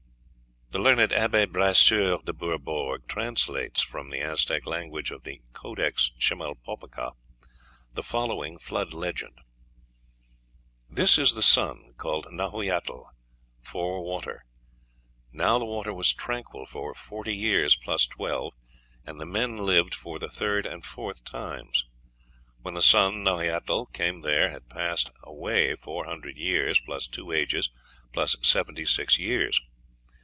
The learned Abbé Brasseur de Bourbourg translates from the Aztec language of the "Codex Chimalpopoca" the following Flood legend: "This is the sun called Nahui atl, '4 water.' Now the water was tranquil for forty years, plus twelve, and men lived for the third and fourth times. When the sun Nahui atl came there had passed away four hundred years, plus two ages, plus seventy six years.